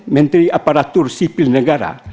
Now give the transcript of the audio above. menteri aparatur sipil negara